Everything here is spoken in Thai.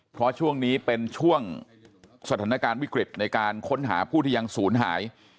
เพราะช่วงนี้เป็นช่วงสถานการณ์วิกฤตในการค้นหาผู้ที่ยังศูนย์หาย